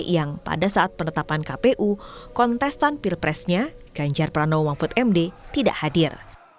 yang pada saat penetapan kpu kontestan pilpresnya ganjar pranowo mahfud md tidak hadir